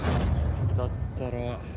だったら。